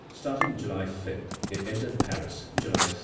Starting July 5, it entered Paris July 30.